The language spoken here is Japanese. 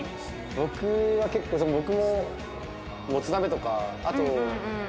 僕は結構僕ももつ鍋とかあとお肉系が。